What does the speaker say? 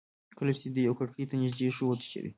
کله چې دېو کړکۍ ته نیژدې شو وتښتېدی.